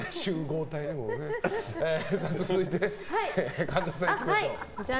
続いて、神田さんいきましょう。